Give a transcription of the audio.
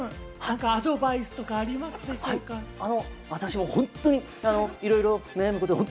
小林さん、アドバイスとかありますでしょうか？